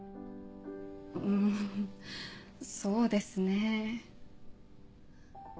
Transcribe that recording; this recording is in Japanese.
うんそうですねぇ。